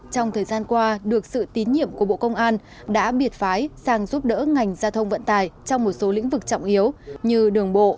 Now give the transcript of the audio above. trong thời gian qua được sự tín nhiệm của bộ công an đã biệt phái sang giúp đỡ ngành giao thông vận tải trong một số lĩnh vực trọng yếu như đường bộ